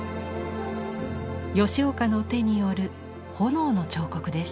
吉岡の手による炎の彫刻です。